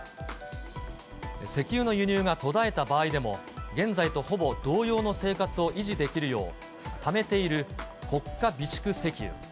石油の輸入が途絶えた場合でも、現在とほぼ同様の生活を維持できるよう、ためている国家備蓄石油。